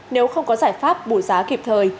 nếu không có giải pháp bù giá kịp thời